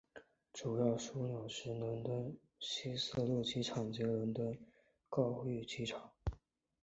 主要枢纽是伦敦希斯路机场及伦敦格域机场。